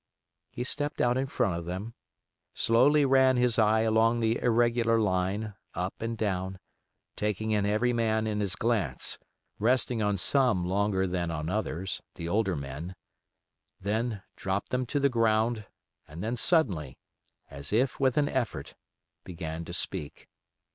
He stepped out in front of them, slowly ran his eye along the irregular line, up and down, taking in every man in his glance, resting on some longer than on others, the older men, then dropped them to the ground, and then suddenly, as if with an effort, began to speak.